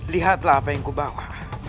lihatlah apa yang kubawa